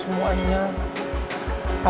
saya akan menjelaskan semuanya